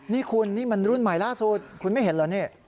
นี่คุณนี่มันรุ่นใหม่ล่าสุดคุณไม่เห็นเหรอนี่